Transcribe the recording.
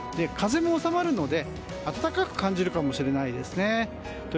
風も収まるので暖かく感じるかもしれないですね。